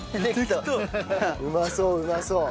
うまそううまそう。